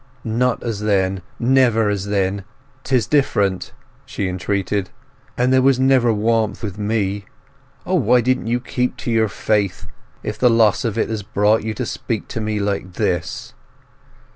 "Not as then—never as then—'tis different!" she entreated. "And there was never warmth with me! O why didn't you keep your faith, if the loss of it has brought you to speak to me like this!"